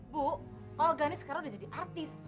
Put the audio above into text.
bu olga ini sekarang udah jadi artis